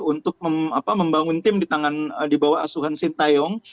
untuk membangun tim di bawah asuhan sintayong